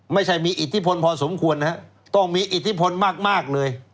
ไม่ใช่มีอิทธิพลพอสมควรนะฮะต้องมีอิทธิพลมากเลย